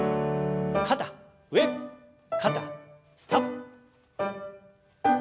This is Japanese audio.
肩上肩下。